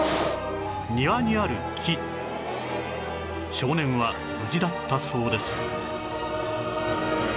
少年は無事だったそうです